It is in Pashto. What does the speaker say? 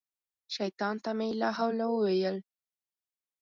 شیطان ته مې لا حول وویلې.